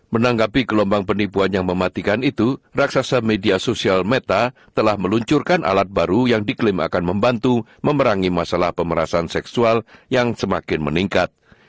menanggapi gelombang penipuan yang mematikan itu raksasa media sosial meta telah meluncurkan alat baru yang diklaim akan membantu memerangi masalah pemerasan seksual yang semakin meningkat